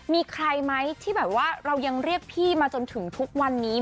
มีใครไหมที่แบบว่าเรายังเรียกพี่มาจนถึงทุกวันนี้